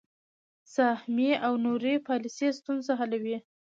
سهمیې او نورې پالیسۍ ستونزه حلوي.